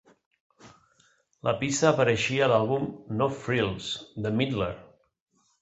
La pista apareixia a l'àlbum "No Frills" de Midler.